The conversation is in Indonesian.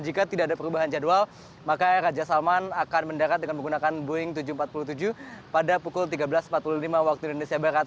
jika tidak ada perubahan jadwal maka raja salman akan mendarat dengan menggunakan boeing tujuh ratus empat puluh tujuh pada pukul tiga belas empat puluh lima waktu indonesia barat